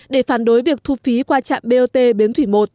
để phản đối việc thu phí qua trạm bot bến thủy một